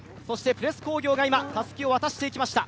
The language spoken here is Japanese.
プレス工業が今、たすきを渡していきました。